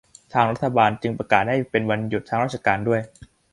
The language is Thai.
ทางรัฐบาลจึงประกาศให้เป็นวันหยุดทางราชการด้วย